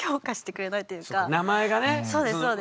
そうですそうです。